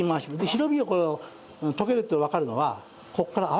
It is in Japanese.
白身が溶けるってわかるのはここから泡が出ます。